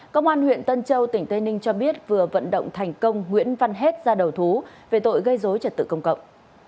công an huyện tân châu tỉnh tây ninh cho biết vừa vận động thành công nguyễn văn hết ra đầu thú về tội gây dối trật tự công cộng